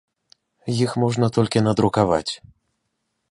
Іх можна толькі надрукаваць.